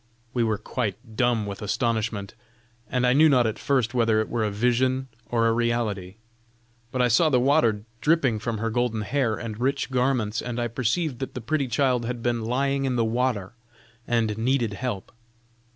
We were quite dumb with astonishment, and I knew not at first whether it were a vision or a reality. But I saw the water dripping from her golden hair and rich garments, and I perceived that the pretty child had been lying in the water, and needed help.